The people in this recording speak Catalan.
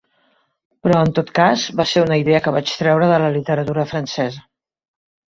Però, en tot cas, va ser una idea que vaig treure de la literatura francesa.